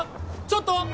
ちょっと！